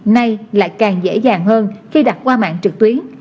nay lại càng dễ dàng hơn khi đặt qua mạng trực tuyến